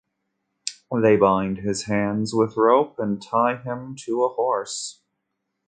They bind his hands with rope and tie him to a horse.